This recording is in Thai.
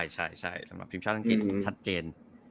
ใช่สำหรับทีมชาติอังกฤษชัดเจน